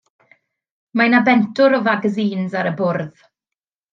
Mae 'na bentwr o fagasîns ar y bwrdd.